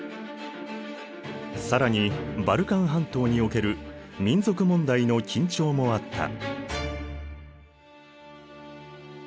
更にバルカン半島における民族問題の緊張もあった。